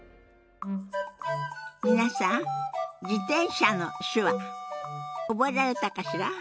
皆さん「自転車」の手話覚えられたかしら？